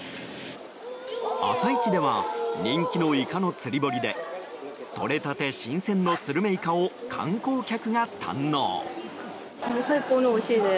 朝市では人気のイカの釣り堀でとれたて新鮮のスルメイカを観光客が堪能。